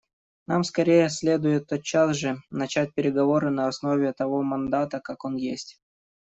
Нам скорее следует тотчас же начать переговоры на основе того мандата как он есть.